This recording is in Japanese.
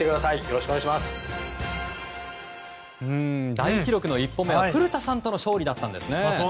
大記録の一歩目は古田さんとの勝利だったんですね。